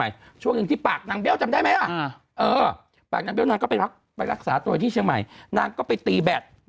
เลยช่วงนึงที่ปากนางเบี้ยวจะได้ไหมมั้ยเออไปรักษาตัวช่วยมาอย่างก็พิพัฟล์